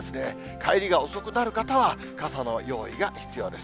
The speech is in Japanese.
帰りが遅くなる方は、傘の用意が必要です。